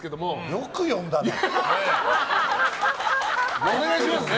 よく呼んだね。